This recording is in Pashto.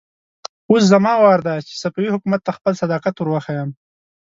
اوس زما وار دی چې صفوي حکومت ته خپل صداقت ور وښيم.